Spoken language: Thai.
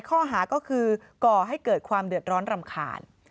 ข้อหาก็คือก่อให้เกิดความเดือดร้อนรำคาญ